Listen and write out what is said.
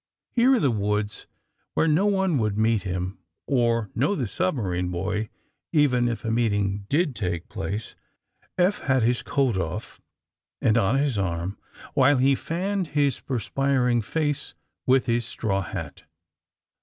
Here in the woods, where no one would meet him, or know the submarine boy even if a meet ing did take place, Eph had his coat off and on his arm, while he fanned his perspiring face with his straw hat.